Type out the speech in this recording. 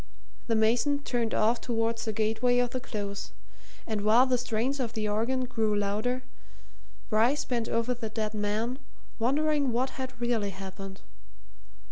The mason turned off towards the gateway of the Close, and while the strains of the organ grew louder, Bryce bent over the dead man, wondering what had really happened.